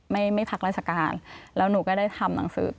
ไม่ไม่พักราชการแล้วหนูก็ได้ทำหนังสือ